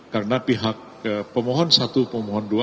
karena pihak pemohon satu pemohon dua